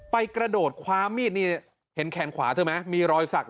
ไปกระโดดความมีดนี่เห็นแขนขวามั้ยมีรอยศักดิ์